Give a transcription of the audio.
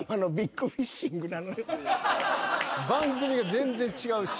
番組が全然違うし。